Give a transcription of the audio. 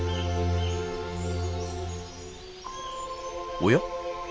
おや？